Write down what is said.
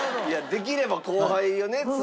できれば後輩をね。